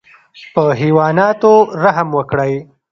په حیواناتو رحم وکړئ